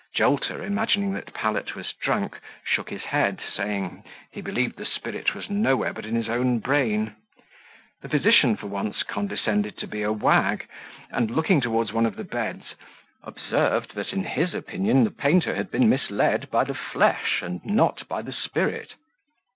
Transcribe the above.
Jolter, imagining that Pallet was drunk, shook his head, saying, he believed the spirit was nowhere but in his own brain. The physician for once condescended to be a wag, and, looking towards one of the beds, observed, that, in his opinion, the painter had been misled by the flesh, and not by the spirit.